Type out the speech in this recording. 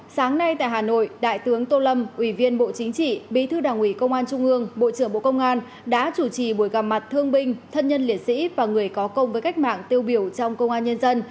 sáng nay tại hà nội đại tướng tô lâm ủy viên bộ chính trị bí thư đảng ủy công an trung ương bộ trưởng bộ công an đã chủ trì buổi gặp mặt thương binh thân nhân liệt sĩ và người có công với cách mạng tiêu biểu trong công an nhân dân